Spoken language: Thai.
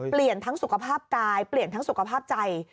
ทั้งสุขภาพกายเปลี่ยนทั้งสุขภาพใจ